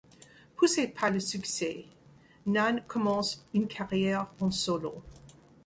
Poussée par le succès, Nanne commence une carrière en solo.